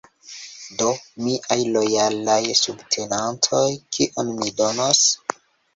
Do, miaj lojalaj subtenantoj: kion mi donos?